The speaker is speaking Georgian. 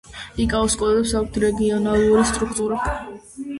იკაოს კოდებს აქვთ რეგიონალური სტრუქტურა.